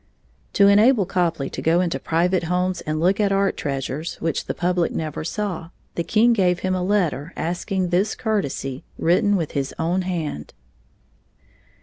To enable Copley to go into private homes and look at art treasures which the public never saw, the king gave him a letter asking this courtesy, written with his own hand.